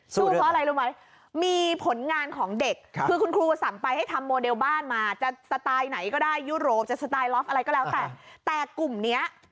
เพราะอะไรรู้ไหมมีผลงานของเด็กคือคุณครูสั่งไปให้ทำโมเดลบ้านมาจะสไตล์ไหนก็ได้ยุโรปจะสไตลอฟอะไรก็แล้วแต่แต่กลุ่มเนี้ย